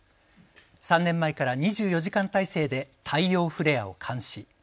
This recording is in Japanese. ３年前から２４時間体制で太陽フレアを監視。